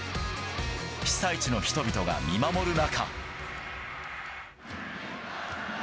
被災地の人々が見守る中。